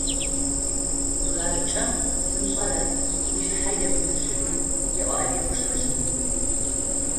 «Бгакӏэ зымышӏэрэр ышъхьэ ебгыжьы» еӏо адыгэ гущыӏэжъым.